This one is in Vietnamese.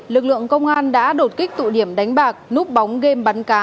lực lượng công an đã đột kích tụ điểm đánh bạc núp bóng game bắn cá